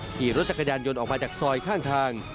ขี่รถจักรยานยนต์ออกมาจากซอยข้างทาง